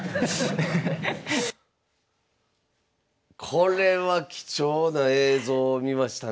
これは貴重な映像を見ましたね。